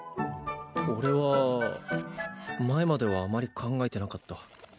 俺は前まではあまり考えてなかった。